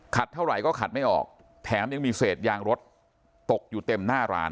เท่าไหร่ก็ขัดไม่ออกแถมยังมีเศษยางรถตกอยู่เต็มหน้าร้าน